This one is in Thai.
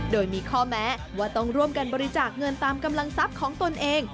โดยมีข้อแม้ว่าต้องร่วมกันบริจาคเงินตามกำลังทรัพย์ของตนเอง